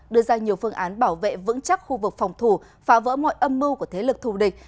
đưa ra nhiều phương án bảo vệ vững chắc khu vực phòng thủ phá vỡ mọi âm mưu của thế lực thù địch